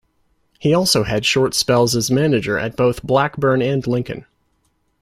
He also had short spells as manager at both Blackburn and Lincoln.